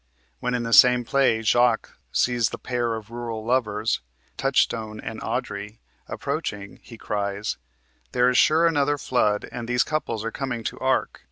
When in the same play Jaques sees the pair of rural lovers, Touchstone and Audrey, approaching, he cries: "There is, sure, another flood, and these couples are coming to the ark!